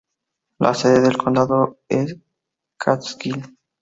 La sede del condado es Catskill.